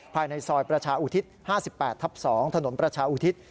ภายในซอยประชาอุทิศ๕๘ทับ๒ถนนประชาอุทิศ